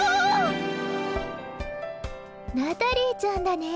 ナタリーちゃんだね。